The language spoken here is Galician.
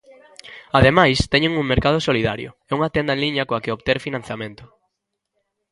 Ademais, teñen un "mercado solidario" e unha tenda en liña coa que obter financiamento.